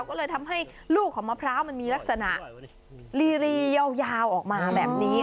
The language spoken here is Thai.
ก็เลยทำให้ลูกของมะพร้าวมันมีลักษณะลียาวออกมาแบบนี้